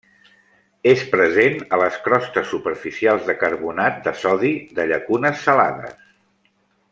És present a les crostes superficials de carbonat de sodi de llacunes salades.